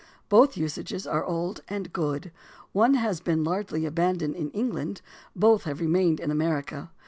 Both usages are old and good. One has been largely abandoned in England, both have remained in America.